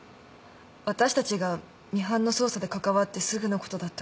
私たちがミハンの捜査で関わってすぐのことだったから。